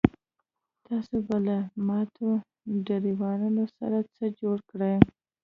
تاسو به له ماتو ډرایوونو سره څه جوړ کړئ